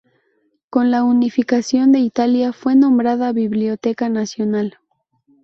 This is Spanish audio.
Con la Unificación de Italia, fue nombrada Biblioteca Nacional.